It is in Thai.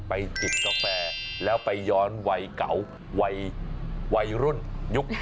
จิบกาแฟแล้วไปย้อนวัยเก่าวัยรุ่นยุค